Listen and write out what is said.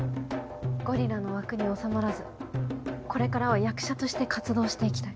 「ゴリラの枠に収まらずこれからは役者として活動していきたい」。